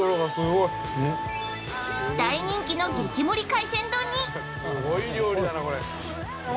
大人気の激盛り海鮮丼に！